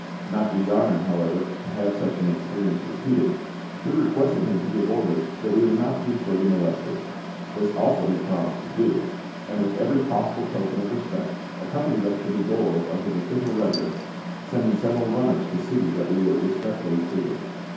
Not desiring, however, to have such an experience repeated, we requested him to give orders that we were not to be further molested. This also he promised to do, and with every possible token of respect accompanied us to the door of his official residence, sending several runners to see that we were respectfully treated.